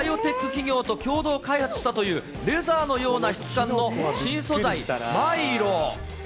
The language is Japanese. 企業と共同開発したという、レザーのような質感の新素材、マイロ。